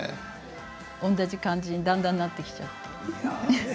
同じ感じに、だんだんなってきちゃって。